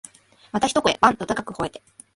また一声、わん、と高く吠えて、